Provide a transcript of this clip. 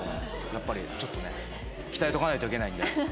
やっぱりちょっとね鍛えておかないといけないんで。